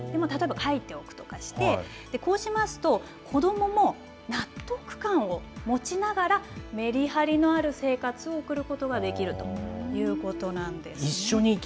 例えば、書いておくとかして、こうしますと、子どもも納得感を持ちながら、メリハリのある生活を送ることができるということなんですね。